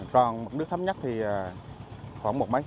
còn mực nước thấm nhất thì khoảng một mét